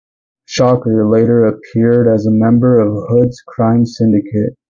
Shocker later appeared as a member of Hood's crime syndicate.